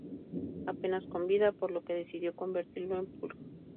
Apenas con vida, por lo que decidió convertirlo en pulg.